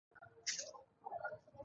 د تذکرو ویش عاید لري